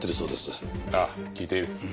ああ聞いている。